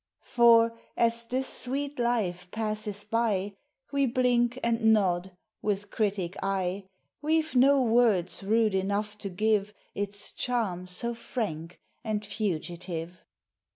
For, as this sweet life passes by, We blink and nod with critic eye ; We Ve no words rude enough to give Its charm so frank and fugitive.